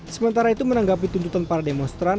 sementara itu menanggapi tuntutan para demonstran